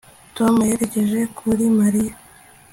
Tom yerekeje kuri Mariya